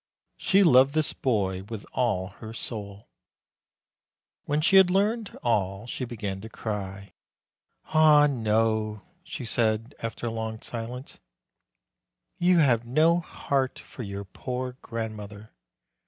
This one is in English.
She loved this boy with all her soul. When she had learned all, she began to cry. "Ah, no!" she said, after a long silence, "you have no heart for your poor grandmother.